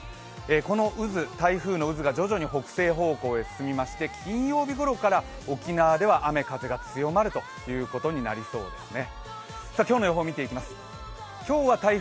この台風の渦が徐々に北西方向へ進みまして金曜日ごろから沖縄では雨・風が強まることになりそうですね。